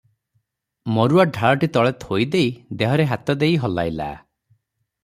ମରୁଆ ଢାଳଟି ତଳେ ଥୋଇଦେଇ ଦେହରେ ହାତ ଦେଇ ହଲାଇଲା ।